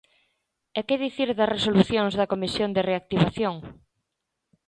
¿E que dicir das resolucións da Comisión de Reactivación?